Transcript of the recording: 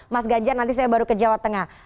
mas ganjar nanti saya baru ke jawa tengah